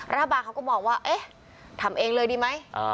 รัฐบาลเขาก็มองว่าเอ๊ะทำเองเลยดีไหม